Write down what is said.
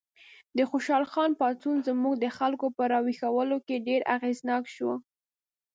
د خوشحال خان پاڅون زموږ د خلکو په راویښولو کې ډېر اغېزناک شو.